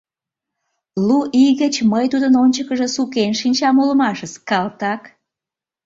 Лу ий гыч мый тудын ончыкыжо сукен шинчам улмашыс, калтак!